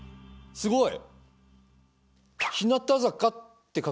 すごい。